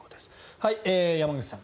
山口さん